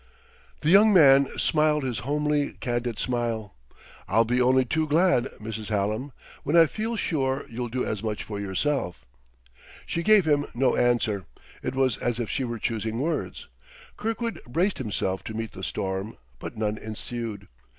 The young man smiled his homely, candid smile. "I'll be only too glad, Mrs. Hallam, when I feel sure you'll do as much for yourself." She gave him no answer; it, was as if she were choosing words. Kirkwood braced himself to meet the storm; but none ensued.